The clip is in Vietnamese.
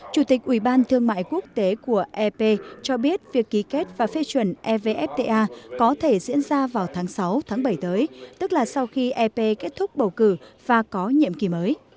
chủ tịch ủy ban thương mại quốc tế của ep cho biết việc ký kết và phê chuẩn evfta có thể diễn ra vào tháng sáu bảy tới tức là sau khi ep kết thúc bầu cử và có nhiệm kỳ mới